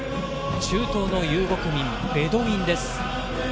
中東の遊牧民ベドウィンです。